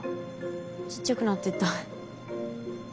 ちっちゃくなってった。